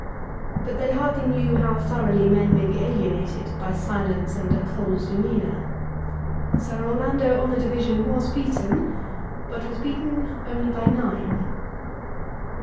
But they hardly knew how thoroughly men may be alienated by silence and a cold demeanour. Sir Orlando on the division was beaten, but was beaten only by nine.